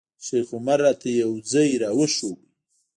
شیخ عمر راته یو ځای راوښود.